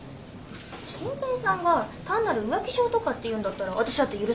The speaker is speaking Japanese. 真平さんが単なる浮気性とかっていうんだったら私だって許さないですよ。